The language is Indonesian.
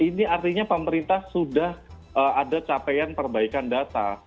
ini artinya pemerintah sudah ada capaian perbaikan data